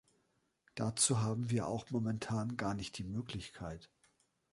Dazu haben wir auch momentan gar nicht die Möglichkeit.